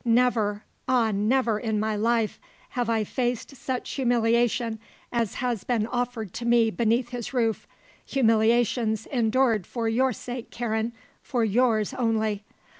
Never ah, never in my life have I faced such humiliation as has been offered to me beneath his roof humiliations, endured for your sake, Karen for yours only!